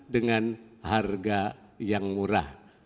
dengan harga yang murah